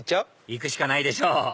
行くしかないでしょ！